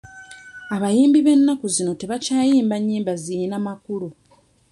Abayimbi b'ennaku zino tebakyayimba nnyimba ziyina makulu.